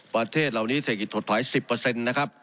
ประเทศเหล่านี้เศรษฐกิจถดถอย๑๐นะครับ